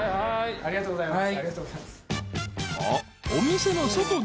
ありがとうございます。